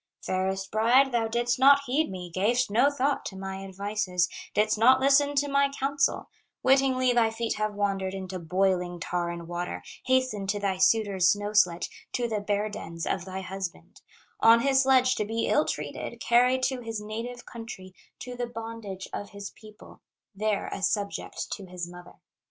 "Fairest bride, thou didst not heed me, Gav'st no thought to my advices, Didst not listen to my counsel; Wittingly thy feet have wandered Into boiling tar and water, Hastened to thy suitor's snow sledge, To the bear dens of thy husband, On his sledge to be ill treated, Carried to his native country, To the bondage of his people, There, a subject to his mother.